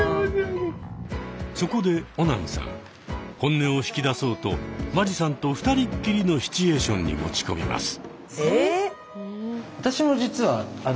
そこでオナンさん本音を引き出そうと間地さんと二人っきりのシチュエーションに持ち込みます。